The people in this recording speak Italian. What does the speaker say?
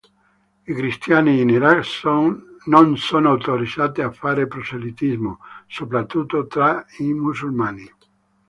I cristiani in Iraq non sono autorizzati a fare proselitismo, soprattutto tra i musulmani.